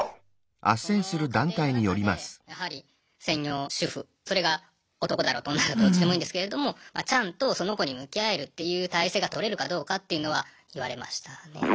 その家庭の中でやはり専業主婦それが男だろうと女だろうとどっちでもいいんですけれどもちゃんとその子に向き合えるっていう体制が取れるかどうかっていうのは言われましたね。